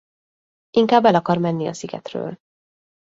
Inkább el akar menni a szigetről.